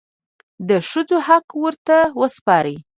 د ښځو حق ورته وسپارئ.